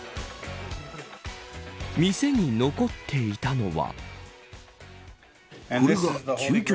店に残っていたのは。